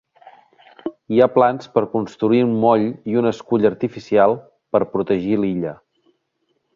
Hi ha plans per construir un moll i un escull artificial per protegir l'illa.